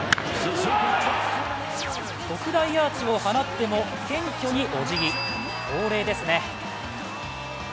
特大アーチを放っても謙虚におじぎ、恒例ですね。